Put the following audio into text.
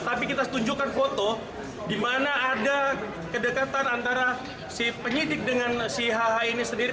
tapi kita tunjukkan foto di mana ada kedekatan antara si penyidik dengan si hh ini sendiri